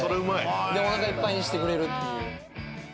おなかいっぱいにしてくれるっていう。